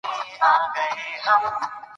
مطالعه د انسان ذهن روښانه کوي.